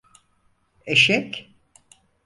Eşek?